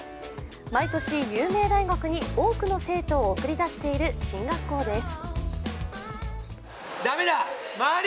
毎年、有名大学に多くの生徒を送り出している進学校です。